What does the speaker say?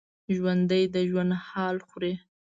ژوندي د ژوند حال خوري